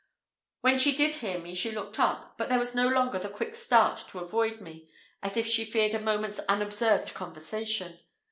When she did hear me she looked up; but there was no longer the quick start to avoid me, as if she feared a moment's unobserved conversation.